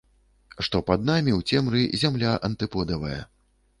Што пад намі ў цемры зямля антыподавая.